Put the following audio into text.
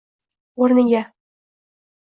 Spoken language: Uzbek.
oʼrniga